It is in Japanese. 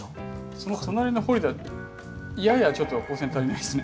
その隣のホリダややちょっと光線足りないですね。